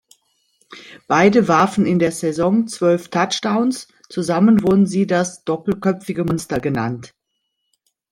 Beide warfen in der Saison zwölf Touchdowns, zusammen wurden sie das ’’doppelköpfige Monster’’ genannt.